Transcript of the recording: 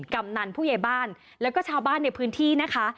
กำนันผู้ใหญ่บ้านแล้วก็ชาวบ้านในพื้นที่นะคะ